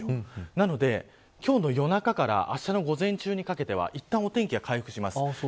なので、今日の夜中から明日の午前中にかけてはいったん、お天気が回復します。